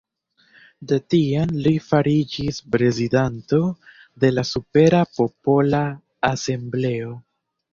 De tiam li fariĝis prezidanto de la Supera Popola Asembleo.